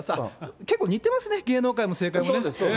結構似てますね、芸能界も政界もね。